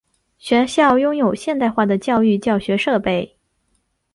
学校拥有现代化的教育教学设备。